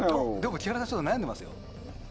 木原さん悩んでますね。